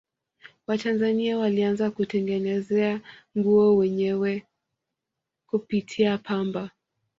watanzania walianza kutengenezea nguo wenyewe kupitia pamba